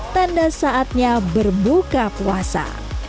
tanda saatnya berbuka puasa